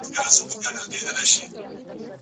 زه پرون انځور ګورم وم!!